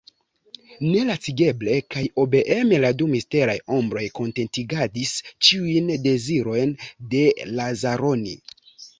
Nelacigeble kaj obeeme la du misteraj ombroj kontentigadis ĉiujn dezirojn de Lazaroni.